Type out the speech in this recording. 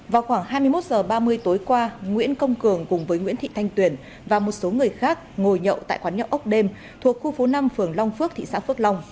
vào khoảng hai mươi một h ba mươi tối qua nguyễn công cường cùng với nguyễn thị thanh tuyền và một số người khác ngồi nhậu tại quán nhậu ốc đêm thuộc khu phố năm phường long phước thị xã phước long